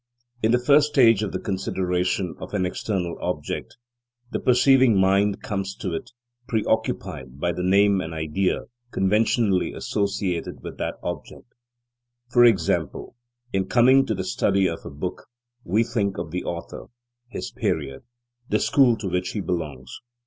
In the first stage of the consideration of an external object, the perceiving mind comes to it, preoccupied by the name and idea conventionally associated with that object. For example, in coming to the study of a book, we think of the author, his period, the school to which he belongs.